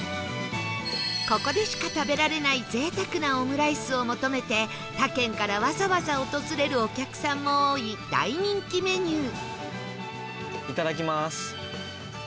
ここでしか食べられない贅沢なオムライスを求めて他県からわざわざ訪れるお客さんも多い大人気メニュー